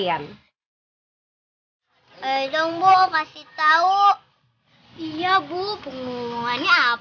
saya mata buka setelah satu jangkaan function bloody futsal itu